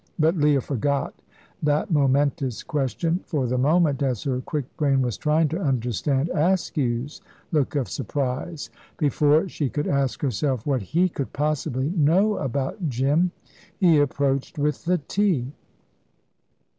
But Leah forgot that momentous question for the moment, as her quick brain was trying to understand Askew's look of surprise. Before she could ask herself what he could possibly know about Jim, he approached with the tea.